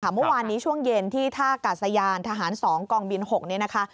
เมื่อวานนี้ช่วงเย็นที่ท่ากาศยานทหาร๒กองบิน๖นี้นะคะ